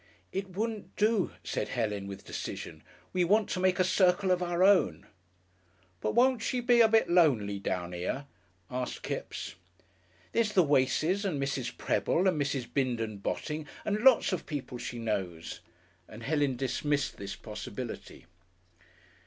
"It wouldn't do," said Helen, with decision. "We want to make a circle of our own." "But won't she be a bit lonely down here?" asked Kipps. "There's the Waces, and Mrs. Prebble and Mrs. Bindon Botting and lots of people she knows." And Helen dismissed this possibility....